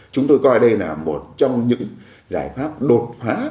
chúng tôi coi đây là một trong những giải pháp đột phá